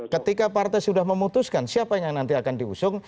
ketika partai sudah memutuskan siapa yang nanti akan diusung